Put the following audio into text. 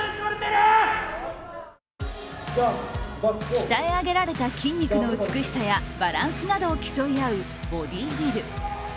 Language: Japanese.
鍛え上げられた筋肉の美しさやバランスなどを競い合うボディビル。